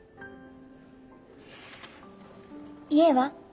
家は？